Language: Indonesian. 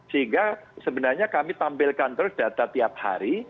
sehingga sebenarnya kami tampilkan terus data tiap hari